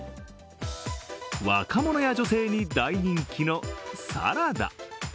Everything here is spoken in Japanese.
若者や女性に大人気のサラダ。